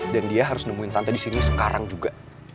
dan dia harus nemuin tante disini sekarang juga